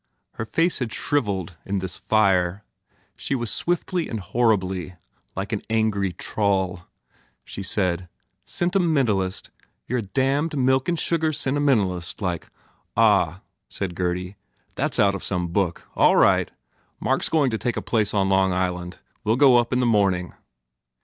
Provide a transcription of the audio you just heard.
Her face had shrivelled in this fire. She was swiftly and horribly like an angry trull. She said, 168 GURDY "Sentimentalist! You re a damned milk and sugar sentimentalist like " "Ah," said Gurdy, "that s out of some book! ... All right. Mark s going to take a place on Long Island. We ll go up in the morning."